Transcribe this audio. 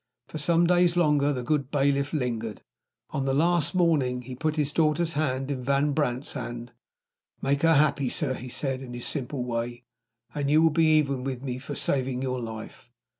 For some days longer the good bailiff lingered. On the last morning, he put his daughter's hand in Van Brandt's hand. "Make her happy, sir," he said, in his simple way, "and you will be even with me for saving your life."